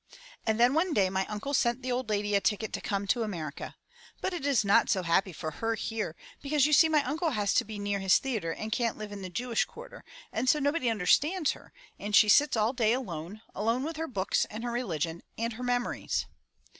"And then one day my uncle sent the old lady a ticket to come to America. But it is not so happy for her here, because you see my uncle has to be near his theatre and can't live in the Jewish quarter, and so nobody understands her, and she sits all day alone, alone with her books and her religion and her memories."